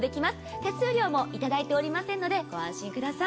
手数料もいただいておりませんのでご安心ください。